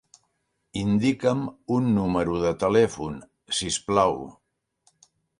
Indica'm un número de telèfon, si us plau.